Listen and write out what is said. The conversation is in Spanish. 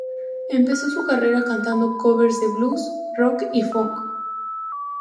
Empezó su carrera cantando covers de blues, rock y funk.